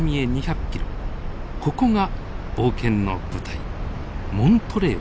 ここが冒険の舞台モントレー